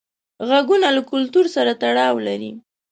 غږونه له کلتور سره تړاو لري.